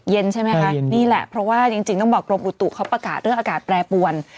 ใช่ไหมคะนี่แหละเพราะว่าจริงต้องบอกกรมอุตุเขาประกาศเรื่องอากาศแปรปวน